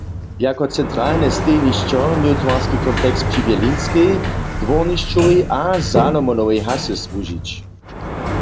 Jako centralne stejnišćo měł twarski kompleks při Berlinskej, Dwórnišćowej a Salomonowej hasy słužić.